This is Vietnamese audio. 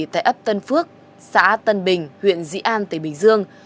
tại ấp tân phước xã tân bình huyện dĩ an tỉnh bình dương